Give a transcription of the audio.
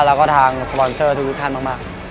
แล้วก็ทางสปอนเซอร์ทุกท่านมาก